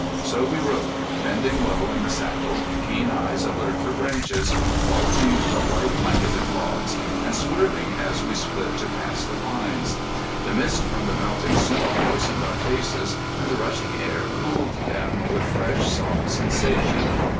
So we rode, bending low in the saddle, keen eyes alert for branches, vaulting the white blanketed logs, and swerving as we split to pass the pines. The mist from the melting snow moistened our faces, and the rushing air cooled them with fresh, soft sensation.